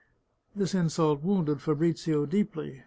This insult wounded Fabrizio deeply.